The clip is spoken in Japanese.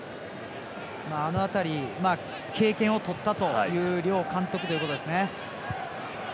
あの辺り、経験を取ったという両監督ということですね。